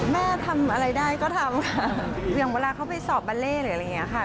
แม่ทำอะไรได้ก็ทำค่ะอย่างเวลาเขาไปสอบบาเล่หรืออะไรอย่างนี้ค่ะ